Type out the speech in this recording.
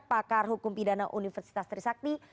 pakar hukum pidana universitas trisakti